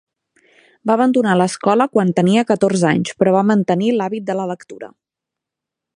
Va abandonar l'escola quan tenia catorze anys, però va mantenir l'hàbit de la lectura.